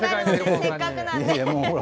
せっかくなので。